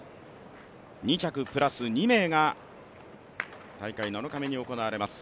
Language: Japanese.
２着プラス２名が大会７日目に行われます